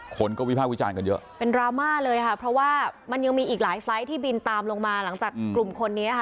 คนก็วิภาควิจารณ์กันเยอะเป็นดราม่าเลยค่ะเพราะว่ามันยังมีอีกหลายไฟล์ที่บินตามลงมาหลังจากกลุ่มคนนี้ค่ะ